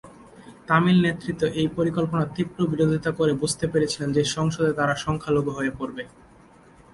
তামিল নেতৃত্ব এই পরিকল্পনার তীব্র বিরোধিতা করে বুঝতে পেরেছিলেন যে তারা সংসদে সংখ্যালঘু হয়ে পড়বে।